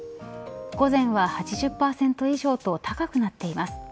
午前は８０％以上と高くなっています。